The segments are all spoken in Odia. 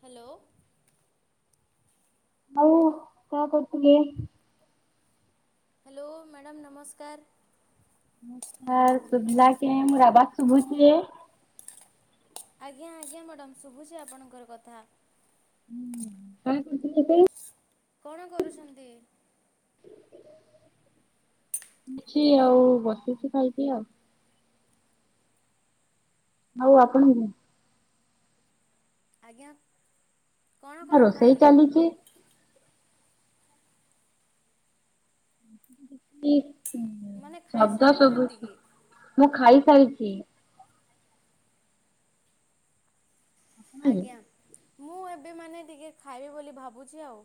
ହ୍ୟାଲୋ ଆଉ କଣ କରୁଥିଲେ? ହ୍ୟାଲୋ ମ୍ୟାଡ଼ାମ ନମସ୍କାର। ନମସ୍କାର ସୁୁଭିଲ କେ ମୁୁରବାଦ ସୁବୁଛି। ଆଜ୍ଞା ଆଜ୍ଞା ମ୍ୟାଡ଼ମ୍ ଶୁଭୁଛି ଆପଣଙ୍କର କଥା। ହଁ କ କରଥିଲ ସେ କଣ କରୁଛନ୍ତି। କିଛି ଆଉ ବସିୁଛି ଖାଇକି ଆଉ। ଆଉ ଆପଣ ଆଜ୍ଞା କଣ କଣ ନା ରୋଷାଇ ଖାଇଲେ ଚାଲିଚି ମାନେ [unintelligible] ଶବ୍ଦ ଖାଇସାରି ନାହାନ୍ତି ସବୁଛି କି ମୁଁ ଖାଇ ଚାଲିଛି। ଆପଣ? ଆଜ୍ଞା ମୁଁ ଏବେ ମାନେ ଟିକେ ଖାଇବି ବୋଲି ଭାବୁଛି ଆଉ।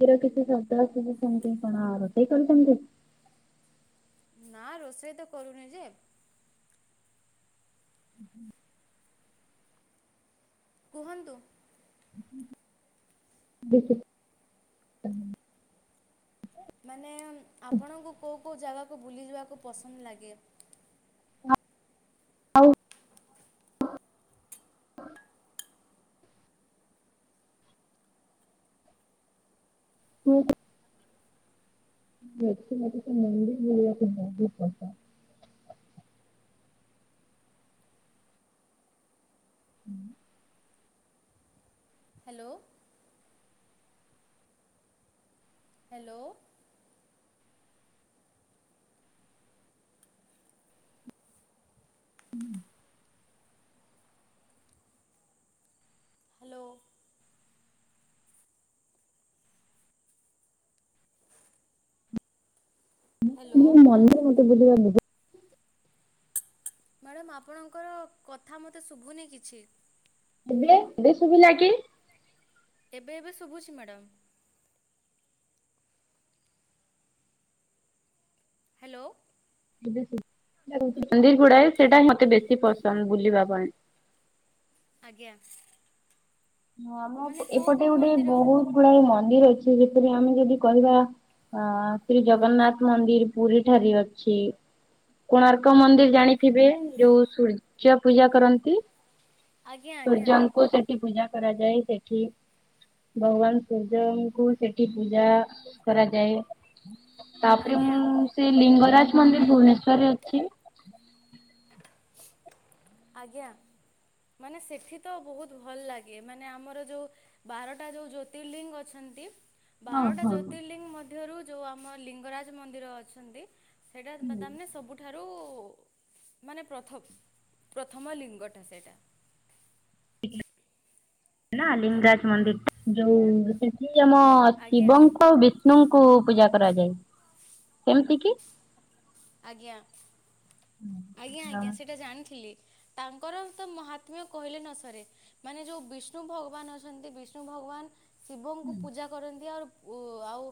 ସେର କିଛି ଶବଦ ଆସଛି କଣ ରୋଷେଇ କରିଛନ୍ତି। ନା ରୋଷେଇ ତ କରୁନି ଯେ ହୁଁ ହୁଁ କୁହନ୍ତୁ। ଦେଖଛି ମାନେ ଆପଣଙ୍କୁ କୋଉ କେଉଁ ଜାଗାକୁ ବୁଲିଯିବାକୁ ପସନ୍ଦ ଲାଗେ ଆଉ ହୁଁ ବେଶୀ ମୋତେ ସେ ମନ୍ଦିର ବୁଲିବାକୁ ବହୁତ ପସନ୍ଦ ହୁଁ ହ୍ୟାଲୋ ହ୍ୟାଲୋ ହ୍ୟାଲୋ ହ୍ୟାଲୋ ମୁଁ ମନ ମତେ ବୁଝିବାର ମ୍ୟାଡ଼ାମ ଆପଣଙ୍କର କଥା ମତେ ଶୁଭୁନି କିଛି ଏବେ ବେ ଶୁଭିଲା କି? ଏବେ ଏବେ ଶୁଭୁଛି ମ୍ୟାଡ଼ାମ ହ୍ୟାଲୋ। ମନ୍ଦିର ଗୁଡାଏ ସେଟା ମତେ ବେଶୀ ପସନ୍ଦ ବୁଲିବା ପାଇଁ। ଆଜ୍ଞା। ହଁ ଆମ ମାନେ କୋଉ ଏପଟେ କୋଉ ଗୋଟେ ମନ୍ଦିର ବହୁତ ଗୁଡାଏ ମନ୍ଦିର ଅଛି। ଯେପରି ଆମେ ଯଦି କହିବା ଅ ଶ୍ରୀ ଜଗନ୍ନାଥ ମନ୍ଦିର ପୁରୀ ଠାରେ ଅଛି କୋଣାର୍କ ମନ୍ଦିର ଜାଣିଥିବେ ଯୋଉ ସୂର୍ଯ୍ୟ ପୂଜା କରନ୍ତି। ଆଜ୍ଞା ଆଜ୍ଞା ସୂର୍ଯ୍ୟଙ୍କୁ ସେଠି ପୂଜା କରାଯାଏ ସେଠି ଭଗବାନ ସୂର୍ଯ୍ୟଙ୍କୁ ସେଠି ପୂଜା କରାଯାଏ। ତାପରେ ଆଜ୍ଞା ମୁଁ ସେ ଲିଙ୍ଗରାଜ ମନ୍ଦିର ଭୁବନେଶ୍ୱର ରେ କି [inaudible] ଆଜ୍ଞା ମାନେ ସେଠି ତ ବହୁତ ଭଲ ଲାଗେ ମାନେ ଆମର ଯୋଉ ବାରଟା ଯୋଉ ଜ୍ୟୋତିର୍ଲିଙ୍ଗ ଅଛନ୍ତି। ହଁ ବାରଟା ହଁ। ଜ୍ୟୋତିର୍ଲିଙ୍ଗ ମଧ୍ୟରୁ ଯୋଉ ଆମ ଲିଙ୍ଗରାଜ ମନ୍ଦିର ଅଛନ୍ତି। ସେଇଟା ହୁଁ [unintelligible] ସବୁଠାରୁ ରୁ ମାନେ ପ୍ରଥମ। ପ୍ରଥମ ଲିଙ୍ଗଟା ସେଇଟା। ନା ଲିଙ୍ଗରାଜ ମନ୍ଦିର ଯୋଉ ଅଛି ଆମ ଆଜ୍ଞା ଶିବଙ୍କ ଆଉ ବିଷ୍ଣୁଙ୍କ କୁ ପୂଜା କରାଯାଏ କେମିତି କି? ଆଜ୍ଞା [inaudible] ଆଜ୍ଞା ଆଜ୍ଞା ସେଇଟା ଜାଣିଥିଲି। ତାଙ୍କର ତ ମହାତ୍ମ୍ୟ କହିଲେ ନ ସରେ ମାନେ ଯୋଉ ବିଷ୍ଣୁ ଭଗବାନ ଅଛନ୍ତି ବିଷ୍ଣୁ ଭଗବାନ ଶିବଙ୍କୁ ପୂଜା କରନ୍ତି ଆଉ ଉ ଆଉ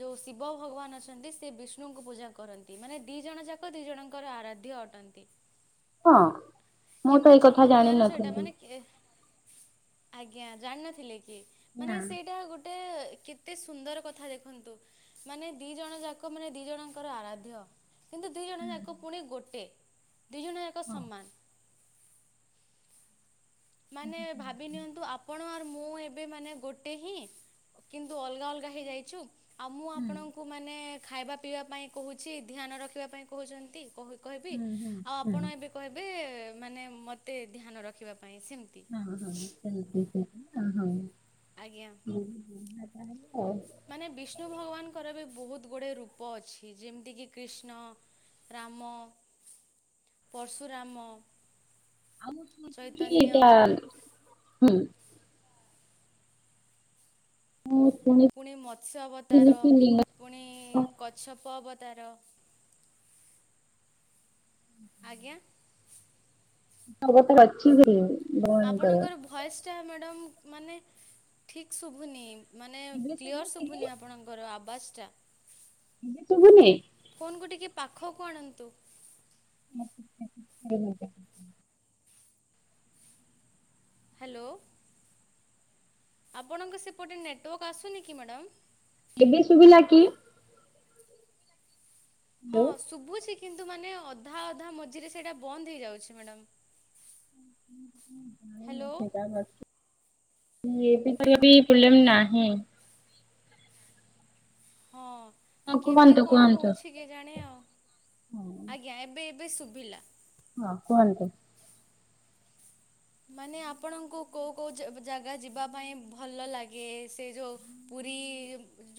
ଯୋଉ ଶିବ ଭଗବାନ ଅଛନ୍ତି ସେ ବିଷ୍ଣୁଙ୍କୁ ପୂଜା କରନ୍ତି। ମାନେ ଦି ଜଣ ଯାକ ଦି ଜଣଙ୍କର ଆରାଧ୍ୟ ଅଟନ୍ତି। ହଁ। ମୁଁ ତ କେମିତି ଏଇ କଥା ଚମତ୍କାର ସେଇଟା ଜାଣିନଥିଲି। ମାନେ ଆଜ୍ଞା ଜାଣିନଥିଲେ ନା ମାନେ ସେଇଟା ଗୋଟେ ଟେ କେତେ ସୁନ୍ଦର କଥା ଦେଖନ୍ତୁ ମାନେ ଦି ଜଣ ଯାକ ମାନେ ଦି ଜଣଙ୍କର ଆରାଧ୍ୟ। କିନ୍ତୁ ଦି ଜଣ ଯାକ ପୁଣି ଗୋଟେ। ଦୁଇ ଜଣ ହଁ ସମାନ। ମାନେ ଭାବି ନିଅନ୍ତୁ ଆପଣ ଅ ମୁଁ ଏବେ ମାନେ ଗୋଟେ ହିଁ କିନ୍ତୁ ଅଲଗା ଅଲଗା ହେଇ ଯାଇଚୁ ଆଉ ମୁଁ ହୁଁ ଆପଣଙ୍କୁ ମାନେ ଖାଇବା ପିଇବା ପାଇଁ କହୁଛି ଧ୍ୟାନ ରଖିବା ପାଇଁ କହୁଛନ୍ତି କହୁ କହିବି ହୁଁ ହୁଁ ଆଉ ହୁଁ ଆପଣ ଏବେ କହିବେ ଏ ମାନେ ମତେ ଧ୍ୟାନ ରଖିବା ପ୍ ହଁ ହଁ ହଁ ହଁ ହଁ। ଆଜ୍ଞା ହଁ ହଁ। ମାନେ ବିଷ୍ଣୁ ଭଗବାନଙ୍କର ବି ବହୁତ୍ ଗୋଟେ ରୂପ ଅଛି ଯେମିତି କି କ୍ରୀଷ୍ଣ ରାମ ପର୍ଶୁରାମ ଆଉ ଚୈତନ୍ୟ ଏଇଟା ହୁଁ ମୁଁ ଶୁଣିଥିଲି ପୁଣି ମତ୍ସ୍ୟ ଅବତାର କି ଲିଙ୍ଗ ପୁଣି କଛପ ଅବ ତାର ଆଜ୍ଞା। ବ ତ ଅଛିି ହ [inaudible] ଆପଣଙ୍କର ଭଏସ ଟା ମା ଡମକ ମାନେ ଠିକ ଶୁଭୁନି। ମାନେ ଏବେ କ୍ଲିଅର ଶୁଭୁଚି ସୁଭୁନି ଆପଣଙ୍କର ଆବାଜ୍ ଚା ସୁବୁନି। ଫୋନ କୁ ଟିକେ ପାଖକୁ ଆଣନ୍ତୁ। I [inaudible] hello. ଆପଣଙ୍କ ସେପଟେ ନେଟୱାକ ଆସୁନି କି ମ୍ୟାଡ଼ାମ। ଏବେ ଶୁଭିଲା କି? ହଁ ହ୍ୟାଲୋ। ନାଇଁ ଶୁଭୁଛି କି୍ କିନ୍ତୁ ମାନେ ଅଧା ଅଧା ମଝିରେ ସେଇଟା ବନ୍ଦ ହେଇଯାଉଛି ମ୍ୟାଡମ୍। ଜାଣି ସେ କଛ [inaudible] ଏ ବିି ତ ବି ପୁଲମ ନାହିଁ [inaudible] ହଁଅ। ହଁ କେମିତି କୁହନ୍ତୁ କଣ କୁହନ୍ତୁ। ହଉଛି କେଜାଣି ଆଉ ହଁ ଆଜ୍ଞା ଏବେ ଏବେ ଶୁଭିଲା। ହଁ କୁହନ୍ତୁ। ମାନେ ଆପଣଙ୍କୁ କଉ କଉ ଜାଗା ଯିବା ପାଇଁ ଭଲ ଲାଗେ ସେ ଯୋଉଁ ପୁରୀ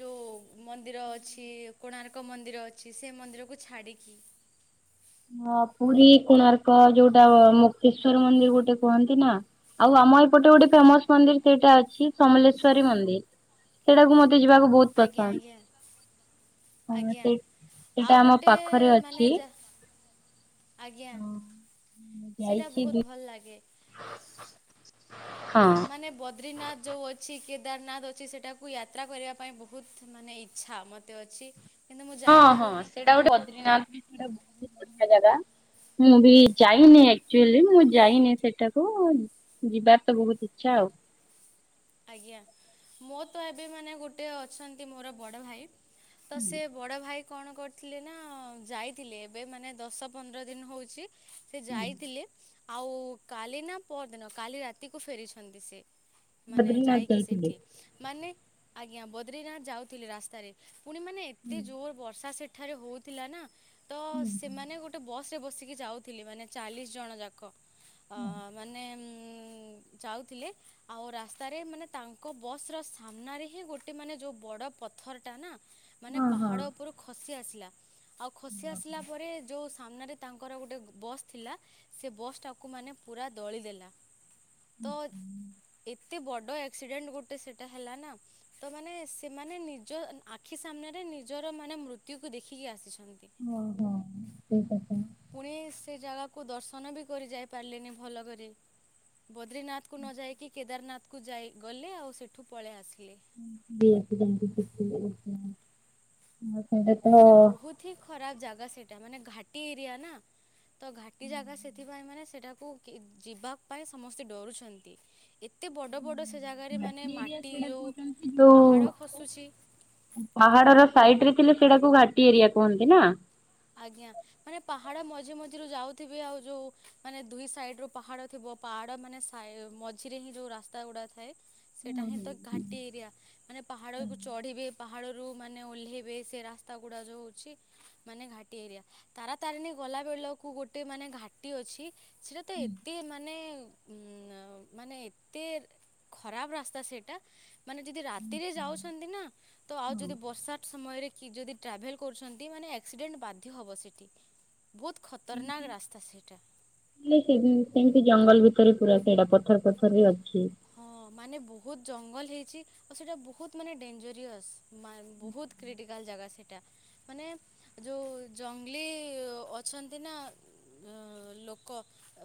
ଯୋଉଁ ମନ୍ଦିର ଅଛି, କୋଣାର୍କ ମନ୍ଦିର ଅଛି, ସେ ମନ୍ଦିରକୁ ଛାଡ଼ିକି। ହଁ ପୁରୀ କୋଣାର୍କ ଯୋଉଟା ମୁକ୍ତେଶ୍ଵର ମନ୍ଦିର ଗୋଟେ କୁହନ୍ତି ନା ଆଉ ଆମ ଏପଟେ ଗୋଟେ ଫେମସ ମନ୍ଦିର ସେଇଟା ଅଛି ସମଲେଶ୍ଵରୀ ମନ୍ଦିର ସେଇଟାକୁ ମତେ। ତେ ଯିବାକୁ ବହୁତ ଆଜ୍ଞା ପସନ୍ଦ ଆଜ୍ଞା ହଁ ଆଜ୍ଞା ସେ ଆଉ ସେଇଟା ଆମ ଗୋଟେ ପାଖରେ ମାନେ ଅଛି। ଯା ଆଜ୍ଞା ସେଟା ବହୁତ ଭଲ ଲାଗେ ହ ମାନେ ବଦ୍ରିନାଥ ଯୋଉ ଅଛି କେ କେଦାରନାଥ ଅଛି ସେଟାକୁ ୟାତ୍ରା କରିବା ପାଇଁ ବହୁତ ମାନେ ଇଛା ମତେ ଅଛି। କିନ୍ତୁ ମୁଁ ହଁ ହଁ ଯାଇପାରୁନି ସେଇଟା ଗୋଟେ ବଦ୍ରୀନାଥ ବି ସେଟା [unintelligible] ଜାଗା ମୁଁ ବି ଯାଇନି ଆକଚୁଆଲି ମୁଁ ଯାଇନି ସେଠାକୁ ଯିବାର ତ ବହୁତ ଇଛା ଆଉ। ଆଜ୍ଞା ମୋ ତ ଏବେ ମାନେ ଗୋଟେ ଅଛନ୍ତି ମୋର ବଡ ଭାଇ। ତ ହୁଁ ସେ ବଡ ଭାଇ କଣ କରିଥିଲେ ନା ଯାଇଥିଲେ ଏବେ ମାନେ ଦଶ ପନ୍ଦର ଦିନ ହଉଛି। ସେ ହୁଁ ଯାଇଥିଲେ। ଆଉ କାଲି ନା ପରଦିନ କାଲି ରାତିକୁ ଫେରିଛନ୍ତି ସେ। ମାନେ ବଦ୍ରିନାଥ ଯାଇକି ଯାଇଥିଲେ? ସେଠି ମାନେ ଆଜ୍ଞା ବଦ୍ରିନାଥ ଯାଉଥିଲେ ରାସ୍ତାରେ ପୁଣି ମାନେ ହୁଁ ଏତେ ଜୋର୍ ବର୍ଷା ସେ ଠାରେ ହଉଥିଲା ନା ତ ହୁଁ ସେମାନେ ଗୋଟେ ବସ୍। ବସିକି ଯାଉଥିଲି ମାନେ ଚାଳିଶ ଜଣ ଯାକ। ଅ ହୁଁ ମାନେ ଉମ ଉ ଯାଉଥିଲେ ଆଉ ରାସ୍ତା ରାସ୍ତାରେ ମାନେ ତାଙ୍କ ବସ ର ସାମ୍ନାରେ ହିଁ ଗୋଟେ ମାନେ ଯୋଉ ବଡ ପଥରଟା ନା ମାନେ ହଁ ହଁ ପାହାଡ ଉପରୁ ଖସି ଆସିଲା। ଆଉ ଖସି ଆସିଲା ପରେ ଯୋଉ ସାମ୍ନାରେ ତାଙ୍କର ଗୋଟେ ବସ୍ ଥିଲା ସେ ବସ୍ ଟାକୁ ମାନେ ପୁରା ଦଳି ଦେଲା। [inaudible] ଏତେ ବଡ ଆକ୍ସିଡେଣ୍ଟ ଗୋଟେ ସେଟା ହେଲା ନା ତ ମାନେ ସେମାନେ ନିଜ ଆଖି ସାମ୍ନାରେ ନିଜର ମାନେ ମୃତ୍ୟୁ କୁ ଦେଖିକି ଆସିଛନ୍ତି। ଓ ହୋ ଠିକ ଅଛି। ପୁଣି ସେ ଜାଗାକୁ ଦର୍ଶନ ବି କରି ଯାଇ ପାରିଲେନି ଭଲ କରି ବଦ୍ରିନାଥ କୁ ନ ଯାଇକି କେଦାରନାଥ କୁ ଯାଇ ଗଲେ ଆଉ ସେଠୁ ପଳେଇ ଆସିଲେ। [unintelligible] [inaudible] ଆ। ମାନେ ବହୁତ ହି ଖରାପ ଜାଗା ସେଇଟା ମାନେ ଘାଟି ଏରିଆ ନା। ତ ଘାଟି ଜାଗା ସେଥିପାଇଁ ମାନେ ସେଟା ଯିବା ପାଇଁ ସମସ୍ତେ ଡରୁଛନ୍ତି ବଡ଼ ବଡ଼ ସେ ଜାଗାରେ ମାନେ ଘାଟି ଏରିଆ ମାଟି ସେଇଟା ଯୋଉ କହୁଛନ୍ତି ପାହାଡ଼ ଖସୁଛି ଯୋଉ ପାହାଡର ସାଇଡରେ ଥିଲେ ସେଇଟାକୁ ଘାଟି ଘାଟି ଏରିଆ କୁହନ୍ତି ନା। ଆଜ୍ଞା ମାନେ ପାହାଡ ମଝି ମଝିରୁ ଯାଉଥିବେ ଆଉ ଯୋଉ ମାନେ ଦୁଇ ସାଇଡ ରୁ ପାହାଡ ଥିବ ପାହାଡ ମାନେ ମଝିରେ ହିଁ ଯୋଉ ରାସ୍ତା ଗୁଡା ଥାଏ ହୁଁ ସେଇଟା ହିଁ ହୁଁ ତ ହୁଁ ଘାଟି ଏରିଆ ମାନେ ପାହାଡକୁ ଚଢିବେ ପାହାଡରୁୁ ମାନେ ଓହ୍ଲେଇବେ ସେ ରାସ୍ତା ଗୁଡା ଯୋଉ ଅଛି। ମାନେ ଘାଟି ଏରିଆ ତାର ତାରିଣୀ ଗଲା ବେଳକୁ ଗୋଟେ ମାନେ ଘାଟି ଅଛି। ସେଟା ତ ଏତେ ମାନେ ଉଁ ମାନେ ଏତେ ଖରାପ ରାସ୍ତା ସେଇଟା। ମାନେ ଯଦି ରାତିରେ ଯାଉଛନ୍ତି ନା ତ ଆଉ ହଁ ଯଦି ବର୍ଷା ସମୟରେ କି ଯଦି ଟ୍ରାଭେଲ କରୁଛନ୍ତି ମାନେ ଏ ଆକ୍ସିଡେଣ୍ଟ ବାଧ୍ୟ ହେବ ସେଇଠି ସେମିତି ଜଙ୍ଗଲ ଭିତରେ ପୁରା ସେଡା ପଥର ପଥର ରେ ଅଛି। ହଁ ମାନେ ବହୁତ ଜଙ୍ଗଲ ହେଇଛି ଆଉ ସେଇଟା ବହୁତ ମାନେ ଡେଞ୍ଜରିଅସ ବହୁତ କ୍ରିଟିକାଲ ଜାଗା ସେଟା ମାନେ ଯୋଉ ଜଙ୍ଗଲି ଅଛନ୍ତି ନା ଲୋକ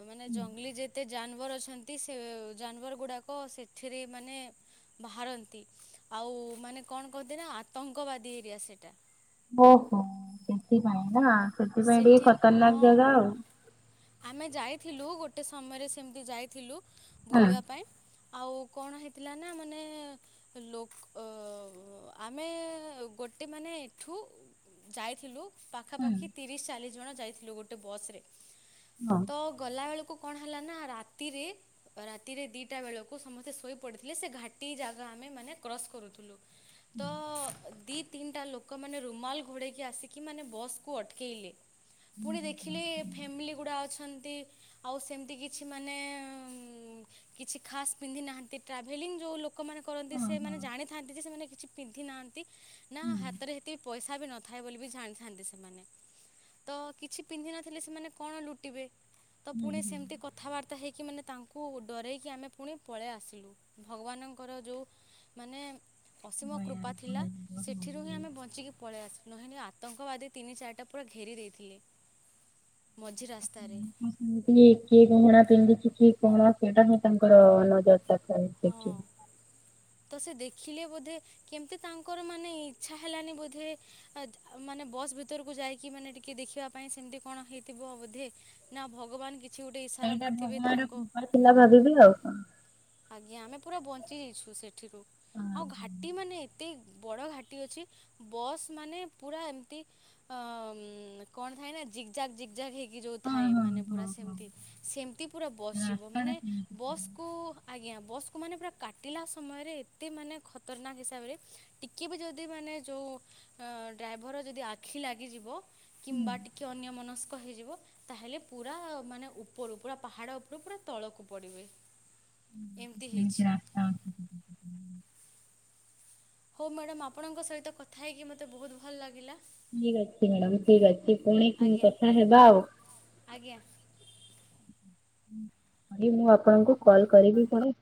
ମାନେ ଜଙ୍ଗଲି ଯେତେ ଯାନବର ଅଛନ୍ତି ସେ ଯାନବର ଗୁଡାକ ଲୋକ ସେଥିରେ ମାନେ ବାହାରନ୍ତି ଆଉ ମାନେ କଣ କହଁନ୍ତି ନା ଆତଙ୍କବାଦୀ ଏରିଆ ସେଟା। ଓହୋ ସେଥିପାଇଁ ନା। ସେଥିପାଇଁ ଟିକେ ସେଠି ହଁ ଖତରନାକ ଜାଗା ଆଉ। ଥିଲୁ ଗୋଟେ ସମୟରେ ସେମିତି ଯାଇଥିଲୁ। ହଁ ବୁଲିବା ପାଇଁ ଆଉ କଣ ହେଇଥିଲା ନା ମାନେ ଲୋକ ଆମେ ଗୋଟେ ମାନେ ଏଠୁ ଯାଇଥିଲୁ ପାଖାପାଖି ଚାଲିଶ ଜଣ ଯାଇଥିଲୁ ଗୋଟେ ବସ ରେ। ହଁ ତ ଗଲା ବେଳକୁ କଣ ହେଲା ନା ରାତିରେ ରାତିରେ ଦିଟା ବେଳକୁ ସମସ୍ତେ ଶୋଇ ପଡିଥିଲେ ସେ ଘାଟି ଜାଗା ଆମେ ମାନେ କ୍ରସ କରୁଥିଲୁ ତ ଦିପ ତିନିଟା ଲୋକମାନେ ରୁମାଲ୍ ଘୋଡ଼େଇକି ଆସିକି ମାନେ ବସ୍କୁ ଅଟକେଇ କିିଲି ପୁଣି ଦେଖିଲେ ଫ୍ୟାମିଲି ଗୁଡା ଅଛନ୍ତି। ଆଉ ସେମିତି କିଛି ମାନେ କିଛି ଖାସ୍ ପିନ୍ଧି ନାହାଁନ୍ତି ଟ୍ରାଭେଲିଂ ଯୋଉ ଲୋକମାନେ କରନ୍ତି ସେମାନେ ହଁ ଜାଣିଥାନ୍ତି ଯେ ସେମାନେ କିଛି ପିନ୍ଧି ନାହାଁନ୍ତି। ନା ହାତରେ ହେତିକି ପଇସା କଥା ବିି ନଥାଏ ବୋଲି ବି ଜାଣିଥାନ୍ତି ସେମାନେ ତ କିଛି ପିନ୍ଧି ନଥିଲେ ସେମାନେ କଣ ଲୁଟିବେ? ତ ପୁଣି ସେମିତି ଦୟାରେ କଥାବାର୍ତ୍ତା ହେଇକି କି ମାନେ ତାଙ୍କୁ ଡରାଇକି ଆମେ ପୁଣି ପଳେଇ ଆସିଲୁ ଭଗବାନଙ୍କର ଯେଉଁ ମାନେ ଅସୀମ କୃପା ଥିଲା କୁହାଯିବ ସେଥିରୁ ହିଁ ହଁ। ଆମେ ବଞ୍ଚିକି ପଳେଇ ଆସୁୁ ନହେଲେ ଆତଙ୍କବାଦୀ ତିିନି ଚାରି ଟା ପୁରା ଘେରି ଦେଇଥିଲେ ମଝି [unintelligible] ରାସ୍ତାରେ କଣ ସେଇଟା ହିଁ ତାଙ୍କର ନଜର ଟା ହଁ ଦେଖ ତ ସେ ଦେଖିଲେ ବୋଧେ କେମିତି ତାଙ୍କର ମାନେ ଇଚ୍ଛା ହେଲାନି ବୋଧେ ମାନେ ବସ୍ ଭିତରକୁ ଯାଇକି ମାନେ ଟିକେ ଦେଖିବା ପାଇଁ ସେମତି କଣ ହେଇଥିବ ବୋଧେ ନା ଭଗବାନ କି ସେଇଟା ଭଗବାନର କୃପା ଥିଲା ଭାବିବି ଆଉ କଣ। ଆଜ୍ଞା ଆମେ ପୁରା ବଞ୍ଚି ଯାଇଛୁ ସେଠିରୁ ଆଉ ଘାଟି ମାନେ ଏତେ ବଡ଼ ଘାଟି ଅଛି ବସ୍ ମାନେ ପୁରା ଏମିତି କଣ ଥାଏ ନା ଜିଗ୍ ଜାକ ଜିଗ୍ଜାକ ହେଇକି ଯୋଉ ହଁ ଥାଏ ହଁ ମାନେ ପୁରା ହଁ ହଁ ସେମିତି ସେମିତି ପୁରା ବସ୍ ଯିବ ରାସ୍ତାଟା ମାନେ ସେମିତି ବସ୍ ଥିବ କୁ ଆଜ୍ଞା ବସ୍ କୁ ମାନେ ପୁରା କାଟିଲା ସମୟରେ ଏତେ ମାନେ ଖତରନାକ ହିସାବରେ ଟିକେ ବି ଯଦି ମାନେ ଯୋଉ ଡ୍ରାଇଭର ଯଦି ଆଖି ଲାଗିଯିବ କିମ୍ବା ଟିକେ ଅନ୍ୟ ମନସ୍କ ହେଇଯିବ ତାହେଲେ ପୁରା ମାନେ ଉପରୁ ପୁରା ପାହାଡ ଉପରୁ ପୁରା ତଳକୁ ପଡିବେ। ଏମତି ସେମିତି ହେଇଛି। ରାସ୍ତା ଅଛି ସେଠି। ହଉ ମ୍ୟାଡାମ ଆପଣଙ୍କ ସହିତ କଥା ହେଇକି ମତେ ବହୁତ ଭଲ ଲାଗିଲା ଠିକ ଅଛି ମ୍ୟାଡାାମ ଠିକ ଅଛି ପୁଣି ଆଜ୍ଞା କଥା ହେବା ଆଉ। ଆଜ୍ଞା ଆ ମୁଁ ଆପଣଙ୍କୁ କଲ କରିବି ପୁଣି